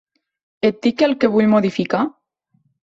Et dic el que vull modificar?